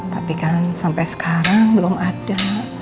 tapi kan sampai sekarang belum ada